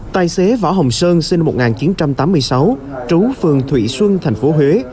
tài xế võ hồng sơn sinh năm một nghìn chín trăm tám mươi sáu trú phường thủy xuân thành phố huế